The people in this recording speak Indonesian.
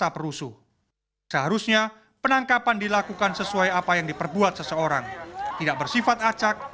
perusuh seharusnya penangkapan dilakukan sesuai apa yang diperbuat seseorang tidak bersifat acak